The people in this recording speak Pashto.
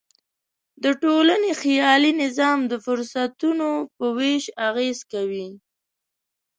د ټولنې خیالي نظام د فرصتونو په وېش اغېز کوي.